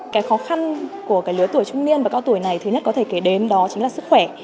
cái khó khăn của cái lứa tuổi trung niên và cao tuổi này thứ nhất có thể kể đến đó chính là sức khỏe